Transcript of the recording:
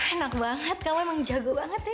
enak banget kamu emang jago banget deh bu